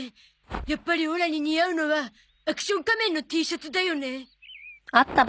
やっぱりオラに似合うのはアクション仮面のＴシャツだよね。